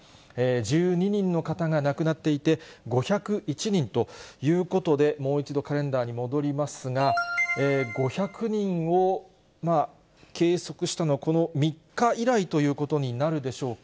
１２人の方が亡くなっていて、５０１人ということで、もう一度カレンダーに戻りますが、５００人を計測したのは、この３日以来ということになるでしょうか。